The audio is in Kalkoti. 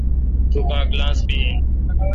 توکاں کلاس می این۔